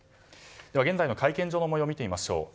現在の会見場の模様見てみましょう。